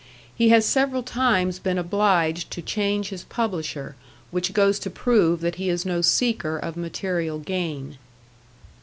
He has several times been obliged to change his publisher, which goes to prove that he is no seeker of material gain.